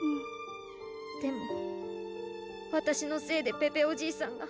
でもわたしのせいでペペおじいさんが！